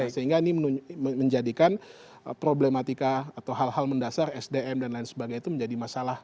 sehingga ini menjadikan problematika atau hal hal mendasar sdm dan lain sebagainya itu menjadi masalah